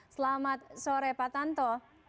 selamat sore pak tanto